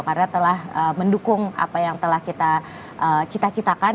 karena telah mendukung apa yang telah kita cita citakan